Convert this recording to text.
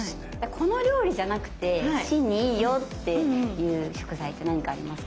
この料理じゃなくて心にいいよっていう食材って何かありますか？